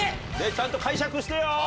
ちゃんと解釈してよ。